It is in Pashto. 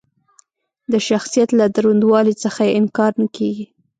د شخصیت له دروندوالي څخه یې انکار نه کېږي.